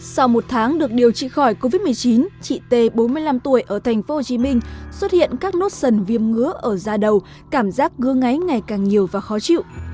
sau một tháng được điều trị khỏi covid một mươi chín chị t bốn mươi năm tuổi ở tp hcm xuất hiện các nốt sần viêm ngứa ở da đầu cảm giác gương ngáy ngày càng nhiều và khó chịu